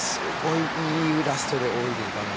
いいラストで泳いでいたので。